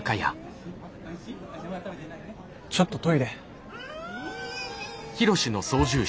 ちょっとトイレ。